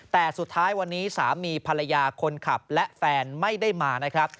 แต่สุดท้ายวันนี้สามีภรรยาคนขับและแฟนไม่ได้มานะครับ